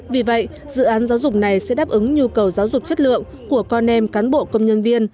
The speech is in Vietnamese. vì vậy dự án giáo dục này sẽ đáp ứng nhu cầu giáo dục chất lượng của con em cán bộ công nhân viên